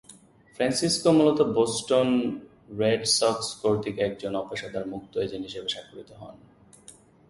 Francisco মূলত Boston Red Sox কর্তৃক একজন অপেশাদার মুক্ত এজেন্ট হিসেবে স্বাক্ষরিত হন।